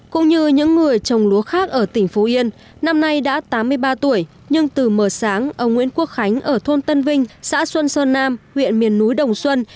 cũng như những người trồng lúa khác ở tỉnh phú yên năm nay đã tám mươi ba tuổi nhưng từ mờ sáng ông nguyễn quốc khánh ở thôn tân vinh xã xuân sơn nam huyện miền núi đồng xuân